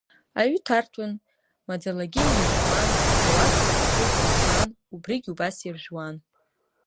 Аҩы ҭарҭәон, маӡалагьы иржәуан, ауатка аршы, дыршуан, убригь убас иржәуан.